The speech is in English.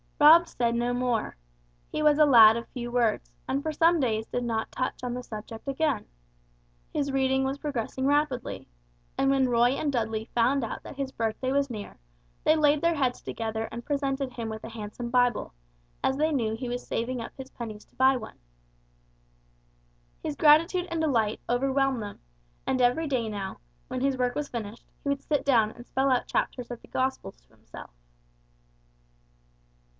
Rob said no more. He was a lad of few words, and for some days did not touch on the subject again. His reading was progressing rapidly, and when Roy and Dudley found out that his birthday was near they laid their heads together and presented him with a handsome Bible, as they knew he was saving up his pennies to buy one. His gratitude and delight overwhelmed them, and every day now, when his work was finished, he would sit down and spell out chapters of the gospels to himself.